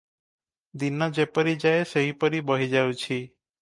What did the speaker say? ଦିନ ଯେପରି ଯାଏ ସେହିପରି ବହି ଯାଉଛି ।